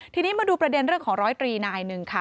ทีนี้มาดูประเด็นเรื่องของร้อยตรีนายหนึ่งค่ะ